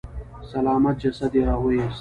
سلامت جسد يې راويست.